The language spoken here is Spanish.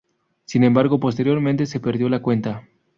Sin embargo, posteriormente se perdió la cuenta.